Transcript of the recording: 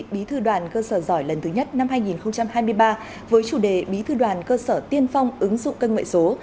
bí thư đoàn cơ sở giỏi lần thứ nhất năm hai nghìn hai mươi ba với chủ đề bí thư đoàn cơ sở tiên phong ứng dụng công nghệ số